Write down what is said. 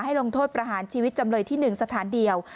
ลงโทษประหารชีวิตจำเลยที่๑สถานเดียว